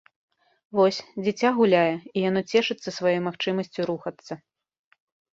Вось, дзіця гуляе, і яно цешыцца сваёй магчымасцю рухацца.